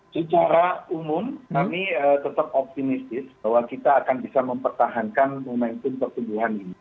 secara umum kami tetap optimistis bahwa kita akan bisa mempertahankan momentum pertumbuhan ini